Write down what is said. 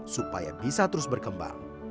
supaya bisa terus berkembang